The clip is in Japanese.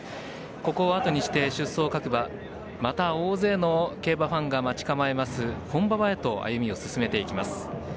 ここをあとにして出走各馬また大勢の競馬ファンが待ち構える本馬場へと歩みを進めています。